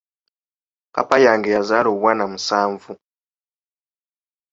Kkapa yange yazaala obwana musanvu.